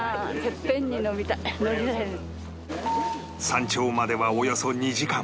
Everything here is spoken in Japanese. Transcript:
山頂まではおよそ２時間